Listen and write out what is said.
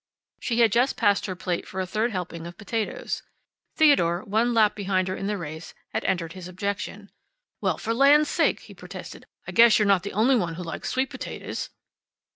She had just passed her plate for a third helping of potatoes. Theodore, one lap behind her in the race, had entered his objection. "Well, for the land's sakes!" he protested. "I guess you're not the only one who likes sweet potatoes."